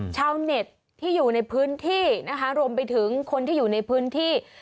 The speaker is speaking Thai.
ชาวเน็ตที่อยู่ในพื้นที่นะคะรวมไปถึงคนที่อยู่ในพื้นที่